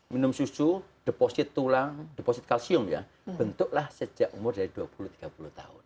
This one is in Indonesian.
minum susu deposit tulang deposit kalsium ya bentuklah sejak umur dari dua puluh tiga puluh tahun